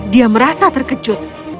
dia merasa terkejut